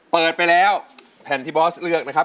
เปิดไปแล้วแผ่นที่บอสเลือกนะครับ